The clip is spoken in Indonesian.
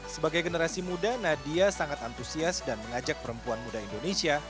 sebagai generasi muda nadia sangat antusias dan mengajak perempuan muda indonesia